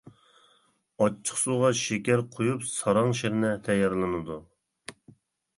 ئاچچىقسۇغا شېكەر قۇيۇپ ساراڭ شىرنە تەييارلىنىدۇ.